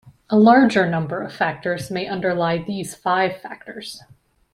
A larger number of factors may underlie these five factors.